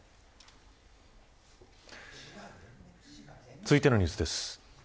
続いてのニュースです。